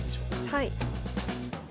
はい。